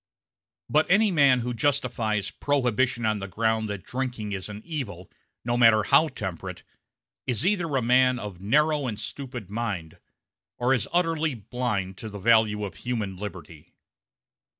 But any man who justifies Prohibition on the ground that drinking is an evil, no matter how temperate, is either a man of narrow and stupid mind or is utterly blind to the value of human liberty.